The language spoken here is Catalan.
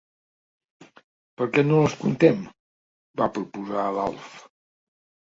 Per què no les comptem? —va proposar l'Alf.